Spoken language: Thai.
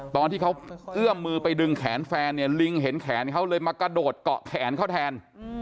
ตอนที่เขาเอื้อมมือไปดึงแขนแฟนเนี่ยลิงเห็นแขนเขาเลยมากระโดดเกาะแขนเขาแทน